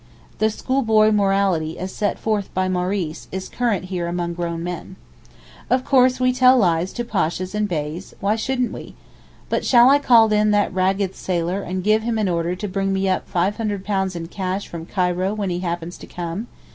The schoolboy morality as set forth by Maurice is current here among grown men. Of course we tell lies to Pashas and Beys, why shouldn't we? But shall I call in that ragged sailor and give him an order to bring me up £500 in cash from Cairo when he happens to come?